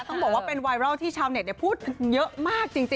ต้องบอกว่าเป็นไวรัลที่ชาวเน็ตพูดเยอะมากจริง